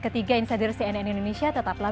ketiga insider cnn indonesia tetaplah